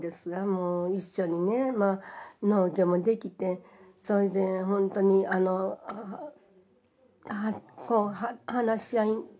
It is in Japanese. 一緒にね農業もできてそれでほんとにあのこう話し合い。